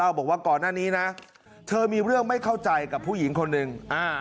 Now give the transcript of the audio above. บอกว่าก่อนหน้านี้นะเธอมีเรื่องไม่เข้าใจกับผู้หญิงคนหนึ่ง